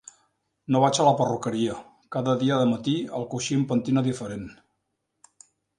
No vaig a la perruqueria: cada dia de matí el coixí em pentina diferent.